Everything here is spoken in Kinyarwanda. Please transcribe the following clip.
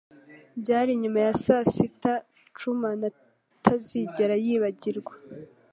Byari nyuma ya saa sita Truman atazigera yibagirwa.